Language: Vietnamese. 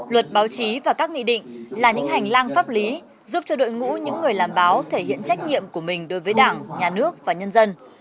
luật báo chí và các nghị định là những hành lang pháp lý giúp cho đội ngũ những người làm báo thể hiện trách nhiệm của mình đối với đảng nhà nước và nhân dân